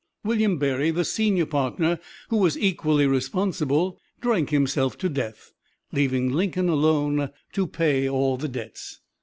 William Berry, the senior partner, who was equally responsible, "drank himself to death," leaving Lincoln alone to pay all the debts.